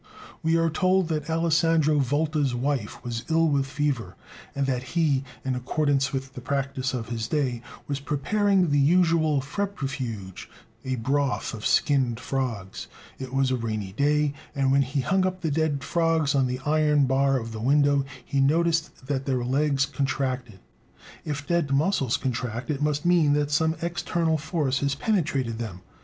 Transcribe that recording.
We are told that Alessandro Volta's wife was ill with fever, and that he, in accordance with the practise of his day, was preparing the usual febrifuge, a broth of skinned frogs; it was a rainy day, and when he hung up the dead frogs on the iron bar of the window, he noticed that their legs contracted. "If dead muscles contract, it must mean that some external force has penetrated them."